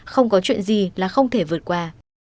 không có chuyện gì là không thể vượt qua